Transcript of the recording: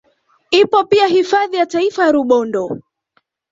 Ipo pia hifadhi ya taifa ya Rubondo